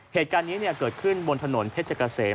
เหตุการณ์นี้เกิดขึ้นบนถนนเพชรเกษม